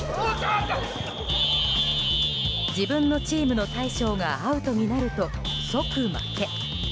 自分のチームの大将がアウトになると、即負け。